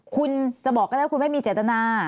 คุณจะบอกก็ได้ว่าคุณไม่มีเจตนา